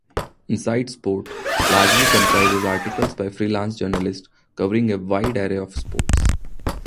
"Inside Sport" largely comprises articles by freelance journalists, covering a wide array of sports.